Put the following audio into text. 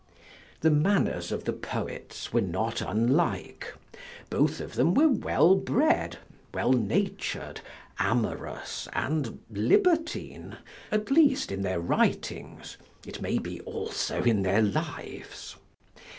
The manners of the poets were not unlike: both of them were well bred, well natur'd, amorous, and libertine, at least in their writings, it may be also in their lives.